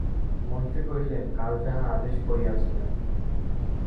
মন্ত্রী কহিলেন, কাল যাহা আদেশ করিয়াছিলেন।